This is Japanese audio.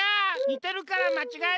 にてるからまちがえた。